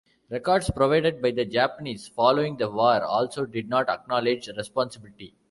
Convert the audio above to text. Records provided by the Japanese following the war also did not acknowledge responsibility.